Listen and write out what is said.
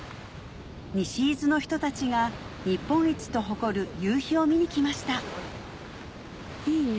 西伊豆の人たちが日本一と誇る夕陽を見に来ましたいいね